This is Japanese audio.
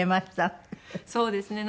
そうですね。